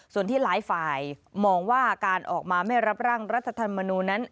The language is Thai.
ส่วนที่หลายฝ่ายมองว่าการออกมาไม่รับร่างรัฐธรรมนูลนั้น